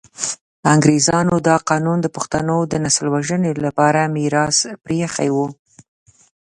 انګریزانو دا قانون د پښتنو د نسل وژنې لپاره میراث پرې ایښی وو.